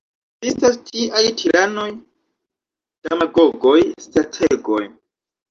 Ekzistas tiaj tiranoj, demagogoj, strategoj.